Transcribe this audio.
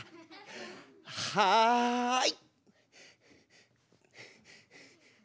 はい！